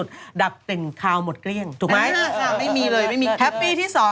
ดีมากจริงดีทุกอย่างค่ะพี่ค่ะแล้วเราว่ามีอะไรเด้อะไรที่